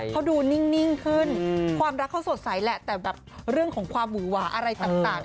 เขาดูนิ่งขึ้นความรักเขาสดใสแหละแต่แบบเรื่องของความหวือหวาอะไรต่าง